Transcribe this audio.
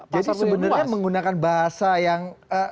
jadi sebenarnya menggunakan bahasa yang